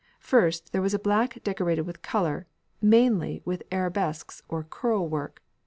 First there was a black decorated with colour, mainly with arabesques or curl work.